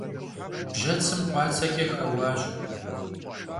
Bjetsım khuatseç'e xeuaş.